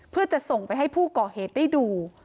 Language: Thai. เพื่อจะส่งไปให้ผู้ก่อเหตุได้ดู